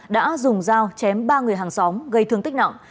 đã dùng dao chém ba người hàng xóm gây thương tích nặng